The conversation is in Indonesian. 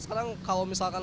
sekarang kalau misalkan